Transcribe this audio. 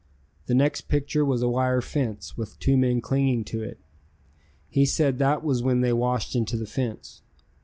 The next picture was a wire fence with two men clinging to it. He said that was when they washed into the fence.